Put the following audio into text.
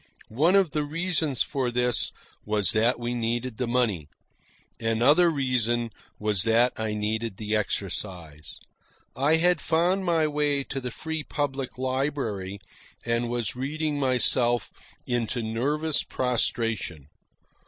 One of the reasons for this was that we needed the money. Another reason was that I needed the exercise. I had found my way to the free public library, and was reading myself into nervous prostration.